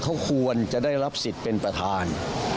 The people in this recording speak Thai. เขาควรจะได้รับสิทธิ์เป็นประธาน